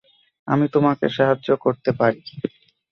আমি তোমাকে সাহায্য করতে পারি।